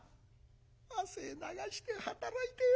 汗流して働いてよ